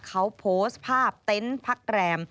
เขาโพสต์ภาพเต็นต์พักแรม